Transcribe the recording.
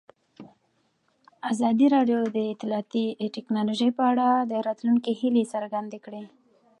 ازادي راډیو د اطلاعاتی تکنالوژي په اړه د راتلونکي هیلې څرګندې کړې.